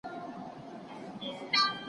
ثابت حق باید په خپل وخت ادا سي.